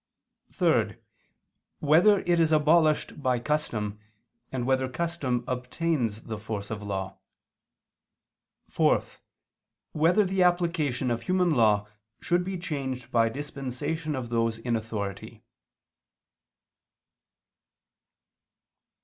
(3) Whether it is abolished by custom, and whether custom obtains the force of law? (4) Whether the application of human law should be changed by dispensation of those in authority?